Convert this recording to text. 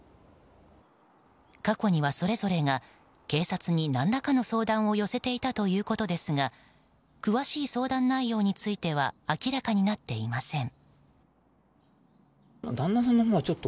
過去には、それぞれが警察に何らかの相談を寄せていたということですが詳しい相談内容については明らかになっていません。